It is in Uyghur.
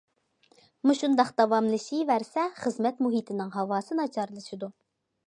مۇشۇنداق داۋاملىشىۋەرسە، خىزمەت مۇھىتىنىڭ ھاۋاسى ناچارلىشىدۇ.